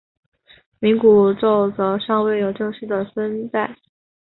冥古宙则尚未有正式的分代。